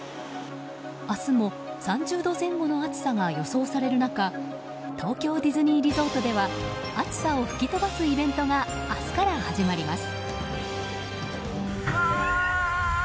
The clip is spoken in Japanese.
明日も３０度前後の暑さが予想される中東京ディズニーリゾートでは暑さを吹き飛ばすイベントが明日から始まります。